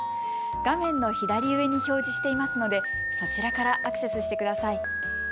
画面の左上に表示していますのでそちらからアクセスしてください。